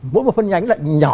mỗi một phần nhánh lại nhỏ